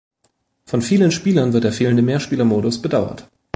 Von vielen Spielern wird der fehlende Mehrspieler-Modus bedauert.